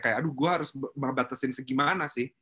kayak aduh gue harus batasin segimana sih